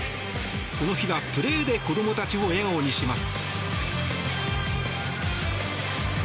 この日はプレーで子どもたちを笑顔にします。